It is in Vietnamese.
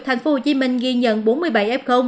thành phố hồ chí minh ghi nhận bốn mươi bảy f